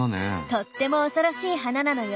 とっても恐ろしい花なのよ。